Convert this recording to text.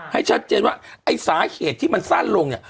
ให้ชัดเจนว่าไอ้สาเหตุที่มันสั้นลงเนี่ย